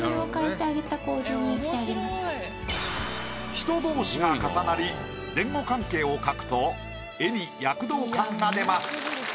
人同士が重なり前後関係を描くと絵に躍動感が出ます。